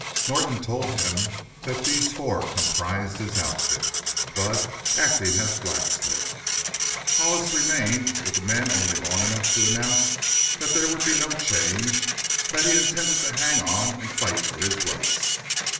Norton told him that these four comprised his outfit Bud acting as blacksmith. Hollis remained with the men only long enough to announce that there would be no change; that he intended to hang on and fight for his rights.